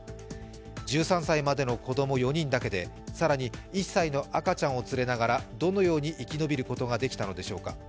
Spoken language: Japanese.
１３歳までの子供４人だけで、更に１歳の赤ちゃんを連れながらどのように生き延びることができたのでしょうか。